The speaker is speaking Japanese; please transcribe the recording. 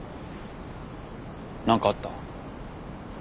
何かあった？